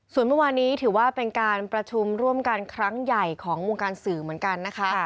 ส่วนเมื่อวานนี้ถือว่าเป็นการประชุมร่วมกันครั้งใหญ่ของวงการสื่อเหมือนกันนะคะ